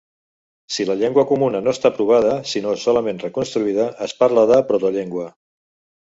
Si la llengua comuna no està provada sinó solament reconstruïda, es parla de protollengua.